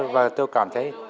và tôi cảm thấy